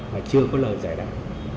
mà chưa có lời giải đáp